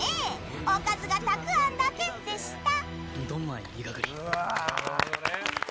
おかずがたくあんだけでした。